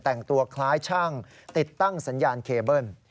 แต่งตัวคล้ายช่างติดตั้งสัญญาณเคเบิ้ล